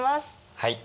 はい。